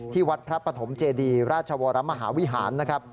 วัดพระปฐมเจดีราชวรมหาวิหารนะครับ